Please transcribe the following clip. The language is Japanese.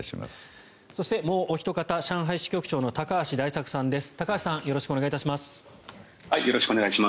そしてもうおひと方上海支局長の高橋大作さんです。